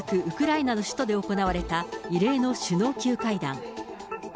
ウクライナの首都で行われた異例の首脳級会談。